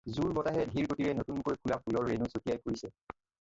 জুৰ বতাহে ধীৰ গতিৰে নতুনকৈ ফুলা ফুলৰ ৰেণু ছটিয়াই ফুৰিছে।